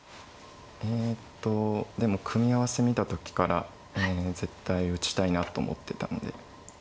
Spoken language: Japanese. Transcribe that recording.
えっとでも組み合わせ見た時から絶対打ちたいなと思ってたんで。